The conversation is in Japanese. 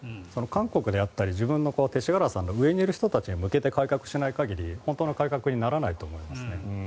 韓国であったり、自分の勅使河原さんの上にいる人たちに向けて改革しない限り本当の改革にならないと思いますね。